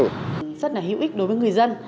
rất là hữu ích đối với người dân